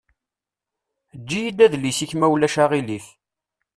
Eǧǧ-iyi-d adlis-ik ma ulac aɣilif.